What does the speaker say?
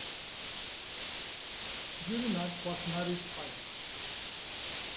Jurinac was married twice.